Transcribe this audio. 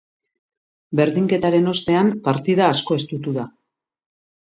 Berdinketaren ostean, partida asko estutu da.